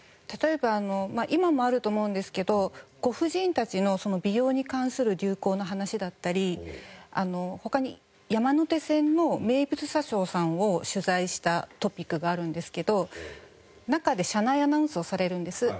例えばあの今もあると思うんですけどご婦人たちの美容に関する流行の話だったり他に山手線の名物車掌さんを取材したトピックがあるんですけど中で車内アナウンスをされるんです。